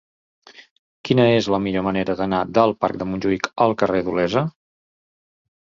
Quina és la millor manera d'anar del parc de Montjuïc al carrer d'Olesa?